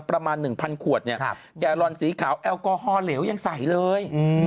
ประมาณ๑๐๐๐ขวดแกโรนศรีขาวแอลกอฮอล์เหลวยังใส่เลย